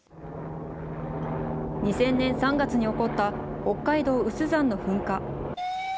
２０００年３月に起こった、北海道有珠山の噴火。